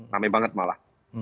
rame banget malah